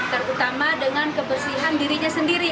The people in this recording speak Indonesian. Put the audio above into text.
terutama dengan kebersihan dirinya sendiri